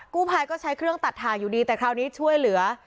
กู้ภัยก็ใช้เครื่องตัดทางอยู่ดีแต่คราวนี้ช่วยเหลือ